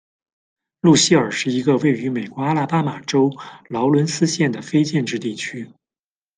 路西尔是一个位于美国阿拉巴马州劳伦斯县的非建制地区。